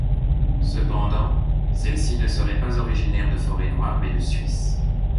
Cependant, celle-ci ne serait pas originaire de Forêt-Noire, mais de Suisse.